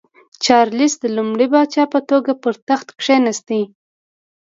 چارلېس د لومړي پاچا په توګه پر تخت کېناست.